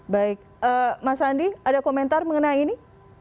baik mas andi ada komentar mengenai ini